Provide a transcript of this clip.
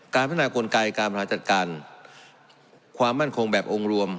การพัฒนากลไกการบริหารจัดการความมั่นคงแบบองค์รวม